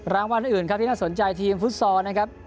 รางวัลอื่นที่น่าสนใจทีมฟุตซอร์